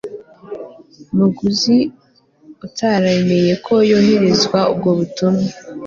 muguzi utaremeye ko yohererezwa ubwo butumwa